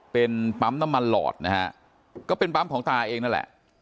เป็นปั๊มน้ำมันหลอดนะฮะก็เป็นปั๊มของตาเองนั่นแหละ